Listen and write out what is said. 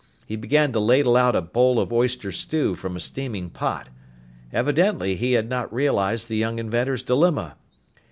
He began to ladle out a bowl of oyster stew from a steaming pot. Evidently he had not realized the young inventor's dilemma!